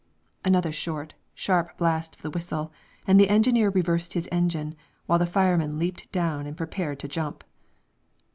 Another short, sharp blast of the whistle, and the engineer reversed his engine, while the fireman leaped down and prepared to jump.